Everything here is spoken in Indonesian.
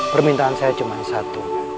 permintaan saya cuma satu